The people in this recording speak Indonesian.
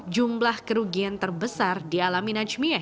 jumlah kerugian terbesar dialami najmiah